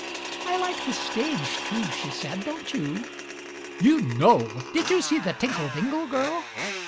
"I like the stage, too," she said. "Don't you?" "You know! Did you see The Tinkle Dingle Girl?"